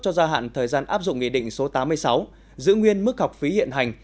cho gia hạn thời gian áp dụng nghị định số tám mươi sáu giữ nguyên mức học phí hiện hành